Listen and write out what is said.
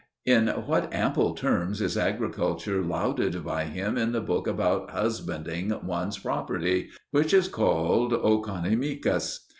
In what ample terms is agriculture lauded by him in the book about husbanding one's property, which is called Oceonomicus!